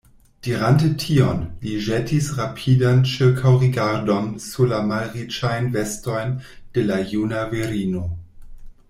Dirante tion, li ĵetis rapidan ĉirkaŭrigardon sur la malriĉajn vestojn de la juna virino.